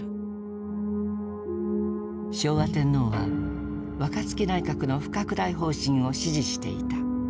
昭和天皇は若槻内閣の不拡大方針を支持していた。